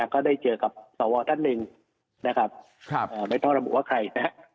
ก็ได้เจอกับสวท่านหนึ่งนะครับไม่ต้องระบุว่าใครนะครับ